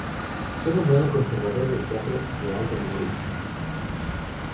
Fue nombrado conservador del Teatro Real de Madrid.